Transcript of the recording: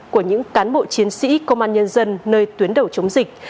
của những cán bộ chiến sĩ công an nhân dân nơi tuyến đầu chống dịch